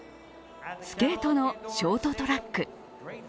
スケートのショートトラック。